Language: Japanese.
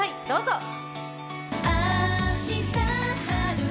どうぞ！